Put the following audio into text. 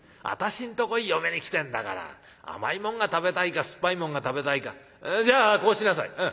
私んとこへ嫁に来てんだから甘いもんが食べたいか酸っぱいもんが食べたいかじゃあこうしなさい。